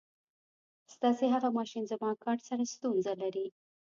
ستاسې هغه ماشین زما کارټ سره ستونزه لري.